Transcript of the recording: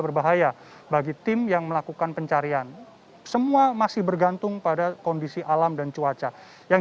berbahaya bagi tim yang melakukan pencarian semua masih bergantung pada kondisi alam dan cuaca yang